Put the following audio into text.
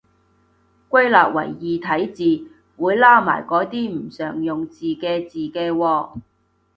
歸納為異體字，會撈埋嗰啲唔常用字嘅字嘅喎